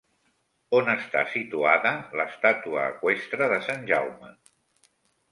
On està situada l'estàtua eqüestre de Sant Jaume?